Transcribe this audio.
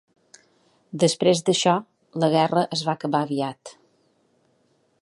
Després d'això la guerra es va acabar aviat.